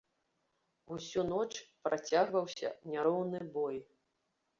Усю ноч працягваўся няроўны бой.